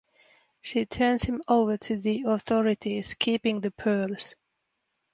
She turns him over to the authorities, keeping the pearls.